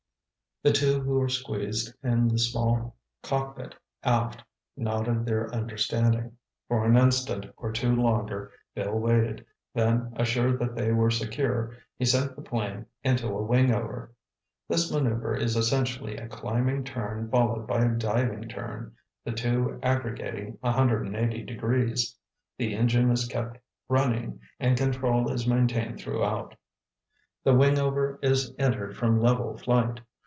_" The two who were squeezed in the small cockpit aft nodded their understanding. For an instant or two longer Bill waited, then assured that they were secure, he sent the plane into a wingover. This manœuver is essentially a climbing turn followed by a diving turn, the two aggregating 180 degrees. The engine is kept running and control is maintained throughout. A wingover is entered from level flight.